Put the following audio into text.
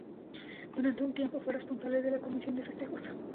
Durante un tiempo fue responsable de la Comisión de Festejos.